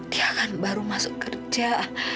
dia kan baru masuk kerja